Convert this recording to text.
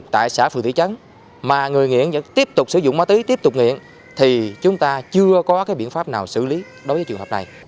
tại xã phường thị trấn mà người nghiện vẫn tiếp tục sử dụng ma túy tiếp tục nghiện thì chúng ta chưa có cái biện pháp nào xử lý đối với trường hợp này